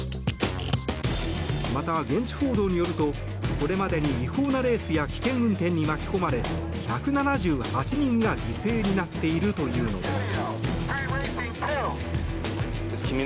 また、現地報道によるとこれまでに違法なレースや危険運転に巻き込まれ１７８人が犠牲になっているというのです。